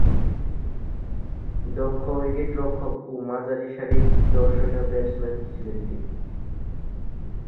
দক্ষ উইকেট-রক্ষক ও মাঝারিসারির দর্শনীয় ব্যাটসম্যান ছিলেন তিনি।